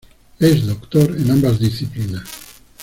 Es doctor en ambas disciplinas.